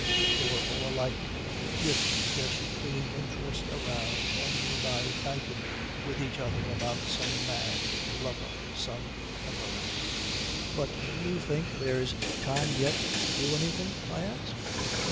They were all alike, with their supreme interest aroused only by fighting with each other about some man: a lover, a son, a brother. "But do you think there's time yet to do anything?" I asked.